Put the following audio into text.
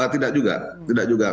tidak juga tidak juga